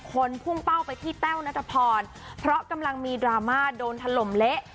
พุ่งเป้าไปที่แต้วนัทพรเพราะกำลังมีดราม่าโดนถล่มเละ